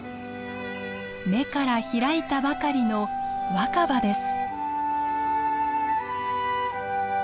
芽から開いたばかりの若葉です。